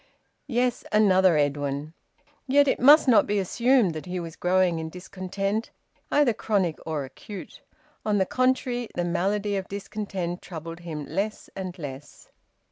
Yes, another Edwin! Yet it must not be assumed that he was growing in discontent, either chronic or acute. On the contrary, the malady of discontent troubled him less and less.